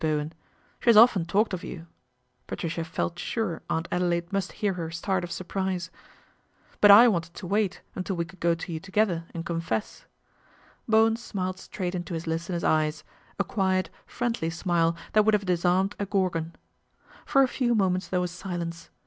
Bowen. " She has often talked of you (Patrici J felt sure Aunt Adelaide must hear her start c i: surprise) ; but I wanted to wait until we could g to you together and confess." Bowen smile : LADY TANAGRA TAKES A HAND 129 kraight into his listener's eyes, a quiet, friendly pile that would have disarmed a gorgon. For a few moments there was silence.